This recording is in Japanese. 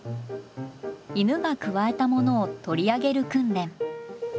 犬がくわえたものを取り上げる訓練。